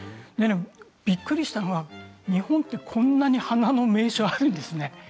びっくりしたのが日本ってこんなに花の名所あるんですね。